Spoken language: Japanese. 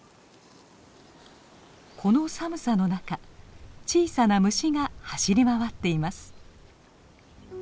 この寒さの中小さな虫が走り回っています。